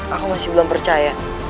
aku masih belum percaya